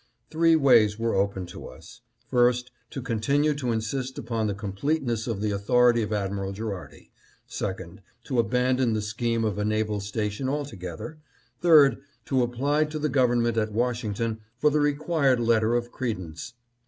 Three ways were open to us: first, to continue to insist upon the completeness of the authority of Admiral Gherardi ; second, to abandon the scheme of a naval station altogether ; third, to apply to the government at Washington for the required letter of credence.